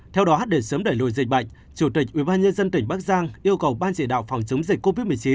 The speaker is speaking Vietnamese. theo đó để sớm đẩy lùi dịch bệnh chủ tịch ubnd tỉnh bắc giang yêu cầu ban chỉ đạo phòng chống dịch covid một mươi chín